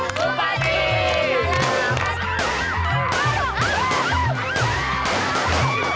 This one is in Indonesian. bupati selamat datang